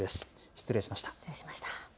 失礼しました。